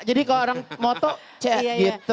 jadi kalau orang moto cek gitu